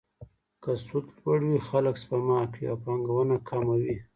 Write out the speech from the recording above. که سود لوړ وي، خلک سپما کوي او پانګونه کمه وي.